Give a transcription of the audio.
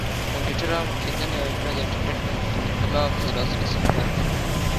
کمپيوټر عام کېدنې او بيا د انټرنټ انقلاب ته د لاسرسي په برخه کې